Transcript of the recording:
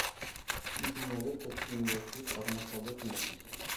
მდინარე თეთრი ნილოსის აღმოსავლეთ ნაპირზე.